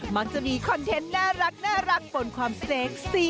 มักจะมีคอนเทนต์น่ารักบนความเซ็กซี่